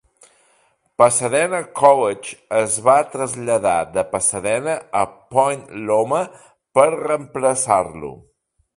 Pasadena College es va traslladar de Pasadena a Point Loma per reemplaçar-lo.